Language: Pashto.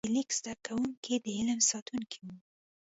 د لیک زده کوونکي د علم ساتونکي وو.